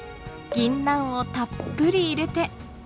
ぎんなんをたっぷり入れて。